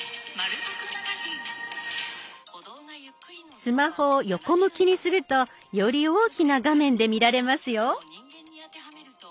スマホを横向きにするとより大きな画面で見られますよ。